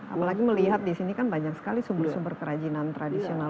apalagi melihat di sini kan banyak sekali sumber sumber kerajinan tradisional